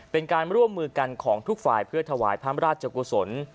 เป็นการร่วมมือกันของทุกฝ่ายเพื่อถวายพระราชกุศล